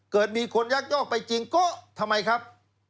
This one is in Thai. เกิดมีคนยักยอกไปจริงก็ทำไมครับ